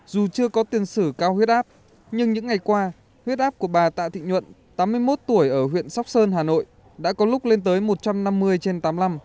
dù chưa có tiền sử cao huyết áp nhưng những ngày qua huyết áp của bà tạ thị nhuận tám mươi một tuổi ở huyện sóc sơn hà nội đã có lúc lên tới một trăm năm mươi trên tám mươi năm